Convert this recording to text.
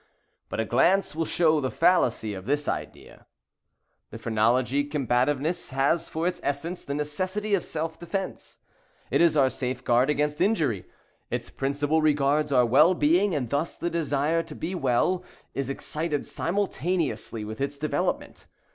But a glance will show the fallacy of this idea. The phrenological combativeness has for its essence, the necessity of self defence. It is our safeguard against injury. Its principle regards our well being; and thus the desire to be well is excited simultaneously with its development.